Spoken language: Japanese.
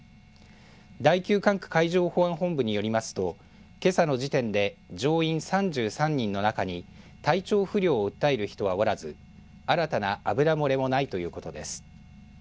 第９管区海上保安本部によりますとけさの時点で乗員３３人の中に体調不良を訴える人はおらず新たな油漏れもないということです。